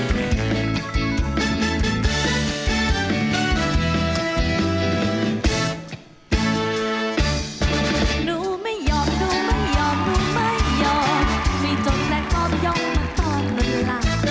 หนูไม่หยอบหนูไม่ยอบหนูไม่ยอบมีจมแรงรอบย้อมมาฝ่อลงรัก